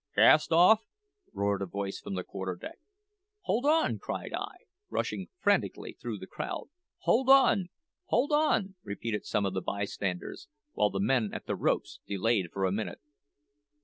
`Cast off!' roared a voice from the quarter deck. `Hold on!' cried I, rushing frantically through the crowd. `Hold on! hold on!' repeated some of the bystanders, while the men at the ropes delayed for a minute.